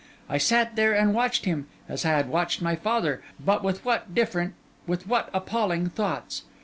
I sat there and watched him, as I had watched my father, but with what different, with what appalling thoughts!